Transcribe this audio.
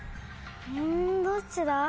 うんどっちだ？